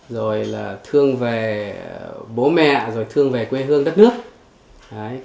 rồi là thương về bố mẹ rồi thương về quê hương đất nước